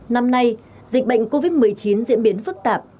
năm nay dịch bệnh covid một mươi chín diễn biến phức tạp